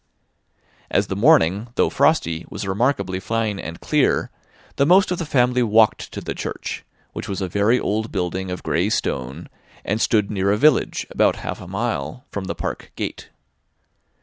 As the morning, though frosty, was remarkably fine and clear, the most of the family walked to the church, which was a very old building of gray stone, and stood near a village, about half a mile from the park gate.